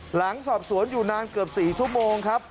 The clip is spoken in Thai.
หลังสอบสวนอยู่นานเกือบ๔ชั่วโมงครับ